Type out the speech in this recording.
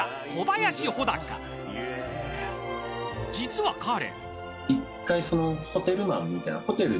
［実は彼］